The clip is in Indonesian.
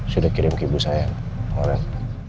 sudah kirim ke ibu saya orel